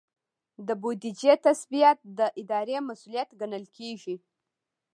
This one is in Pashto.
د بودیجې تثبیت د ادارې مسؤلیت ګڼل کیږي.